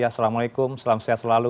assalamualaikum selamat siang selalu